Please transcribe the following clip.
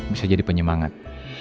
bisa jadi penyemangat